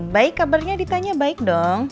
baik kabarnya ditanya baik dong